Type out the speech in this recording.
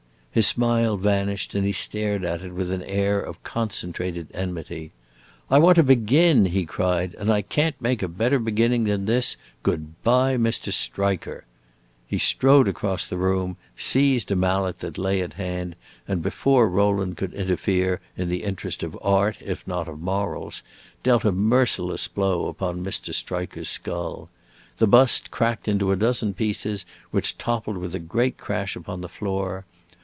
His smile vanished, and he stared at it with an air of concentrated enmity. "I want to begin," he cried, "and I can't make a better beginning than this! Good by, Mr. Striker!" He strode across the room, seized a mallet that lay at hand, and before Rowland could interfere, in the interest of art if not of morals, dealt a merciless blow upon Mr. Striker's skull. The bust cracked into a dozen pieces, which toppled with a great crash upon the floor.